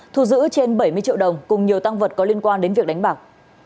thu giữ trên bảy mươi triệu đồng cùng nhiều tăng vật có liên quan đến việc đánh bạc